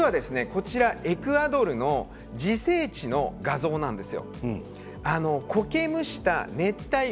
エクアドルの自生地の画像なんです。